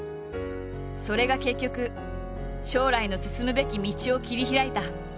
それが結局将来の進むべき道を切り開いた。